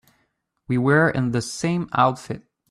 We were in the same outfit.